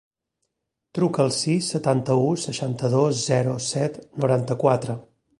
Truca al sis, setanta-u, seixanta-dos, zero, set, noranta-quatre.